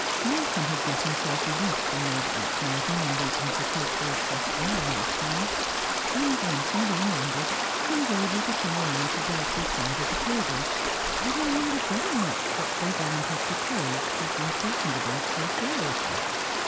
Morton hatl got himself released from Lord Blatchmardean and the agricultural question by this time, and, luncheon being ended, he was able to come round to Dulcie's side of the table, having wondered very much what Beville and his betrothed had been talking about so seriously.